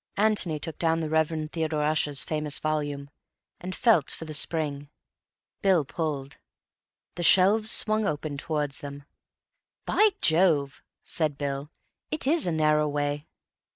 Antony took down the Reverend Theodore Ussher's famous volume, and felt for the spring. Bill pulled. The shelves swung open towards them. "By Jove!" said Bill, "it is a narrow way."